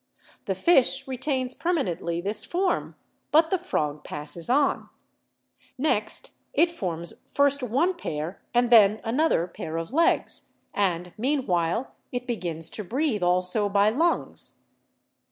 The fish retains per manently this form, but the frog passes on. Next, it forms first one pair and then another pair of legs; and mean 150 BIOLOGY while it begins to breathe also by lungs.